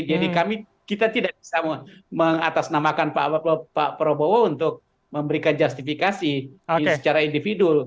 jadi kami kita tidak bisa mengatasnamakan pak prabowo untuk memberikan justifikasi secara individual